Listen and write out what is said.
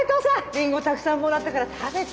りんごたくさんもらったから食べて。